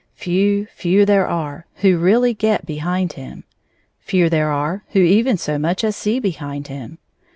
Few, few, there are who really get behind him ; few there are who even so much as see behind him.